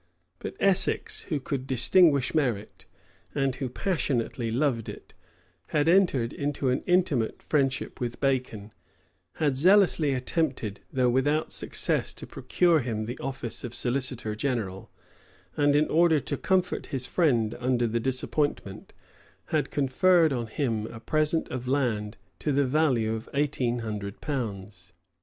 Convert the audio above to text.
But Essex, who could distinguish merit, and who passionately loved it, had entered into an intimate friendship with Bacon; had zealously attempted, though without success, to procure him the office of solicitor general; and in order to comfort his friend under the disappointment, had conferred on him a present of land to the value of eighteen hundred pounds.